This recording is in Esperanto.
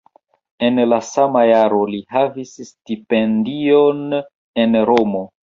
En la sama jaro li havis stipendion en Romo.